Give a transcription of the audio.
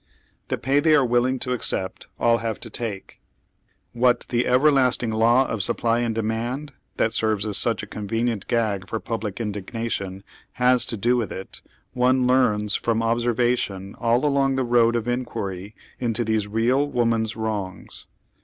The pay they are willing to accept all have to take. What the " everlast ing law of supply and demand," that serves as such a con venient gag for public indignation, has to do with it, one learns from observation all along the road of inquiry into these real woman's wrongs.